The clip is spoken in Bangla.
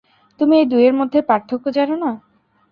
তুমি এই দুইয়ের মধ্যের পার্থক্য জানো না?